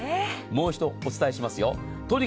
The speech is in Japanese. もう一度お伝えします。